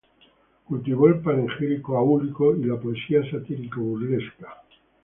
Cultivó el panegírico áulico y la poesía satírico-burlesca.